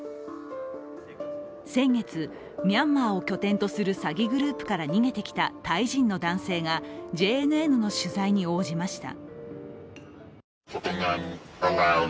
先月、ミャンマーを拠点とする詐欺グループから逃げてきたタイ人の男性がＪＮＮの取材に応じました。